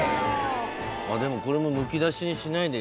でもこれもむき出しにしないでやっぱ。